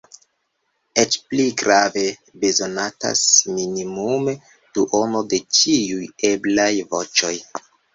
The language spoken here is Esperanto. Eĉ pli grave, bezonatas minimume duono de ĉiuj eblaj voĉoj.